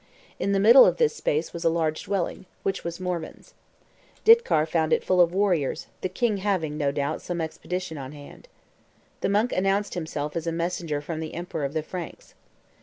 In the middle of this space was a large dwelling, which was Morvan's. Ditcar found it full of warriors, the king having, no doubt, some expedition on hand. The monk announced himself as a messenger from the emperor of the Franks.